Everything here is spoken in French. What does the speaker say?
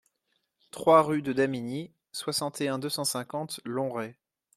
trois rue de Damigny, soixante et un, deux cent cinquante, Lonrai